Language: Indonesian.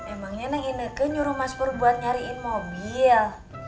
emangnya neng indeke nyuruh mas pur buat nyariin mobil